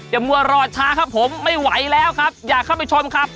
มัวรอช้าครับผมไม่ไหวแล้วครับอยากเข้าไปชมครับ